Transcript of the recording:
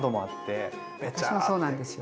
私もそうなんですよ。